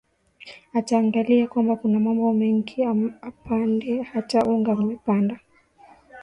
ataangalia kwamba kuna mambo mengi upande hata unga umepanda